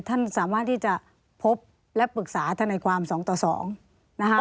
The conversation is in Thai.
ท่านสามารถที่จะพบและปรึกษาท่านในความสองต่อสองนะคะ